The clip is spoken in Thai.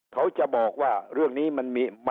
เขาจะบอกว่าเรื่องนี้มันมี